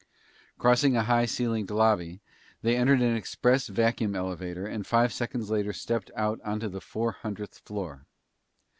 Crossing a high ceilinged lobby, they entered an express vacuum elevator and five seconds later stepped out onto the four hundredth floor.